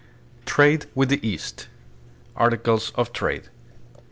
Trade with the East. Articles of Trade.